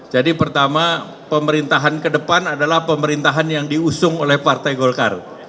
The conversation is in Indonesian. jadi pertama pemerintahan ke depan adalah pemerintahan yang diusung oleh partai golkar